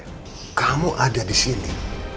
aku masih di sini